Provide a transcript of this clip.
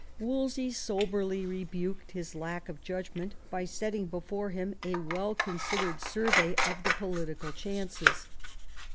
Wolsey soberly rebuked his lack of judgment by setting before him a well con sidered survey of the political chances.